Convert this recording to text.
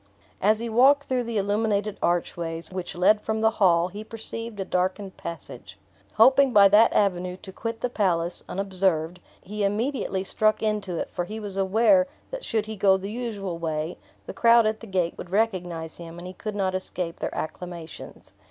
As he walked through the illuminated archways, which led from the hall, he perceived a darkened passage. Hoping by that avenue to quit the palace, unobserved, he immediately struck into it; for he was aware, that should he go the usual way, the crowd at the gate would recognize him, and he could not escape their acclamations.